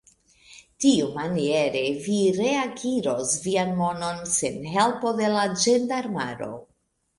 Tiamaniere, vi reakiros vian monon, sen helpo de la ĝendarmaro.